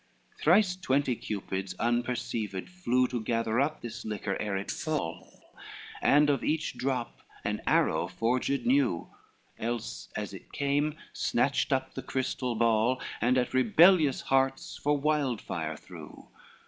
LXXVI Thrice twenty Cupids unperceived flew To gather up this liquor, ere it fall, And of each drop an arrow forged new, Else, as it came, snatched up the crystal ball, And at rebellious hearts for wildfire threw.